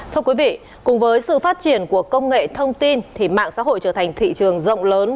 thưa quý vị cùng với sự phát triển của công nghệ thông tin thì mạng xã hội trở thành thị trường rộng lớn